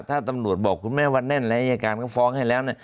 ตำรวจบอกคุณแม่ว่าแน่นรายการก็ฟ้องให้แล้ว